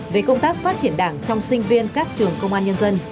về công tác phát triển đảng trong sinh viên các trường công an nhân dân